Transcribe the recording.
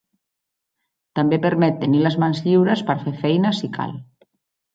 També permet tenir les mans lliures per fer feina si cal.